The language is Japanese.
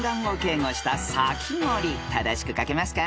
［正しく書けますか？］